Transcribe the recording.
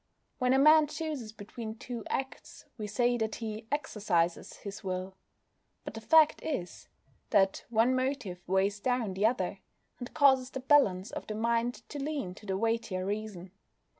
When a man chooses between two acts we say that he "exercises his will"; but the fact is, that one motive weighs down the other, and causes the balance of the mind to lean to the weightier reason.